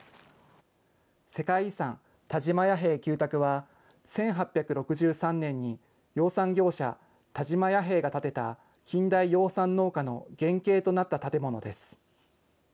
世界遺産、田島弥平旧宅は、１８６３年に養蚕業者、田島弥平が建てた近代養蚕農家の原型となった建物です。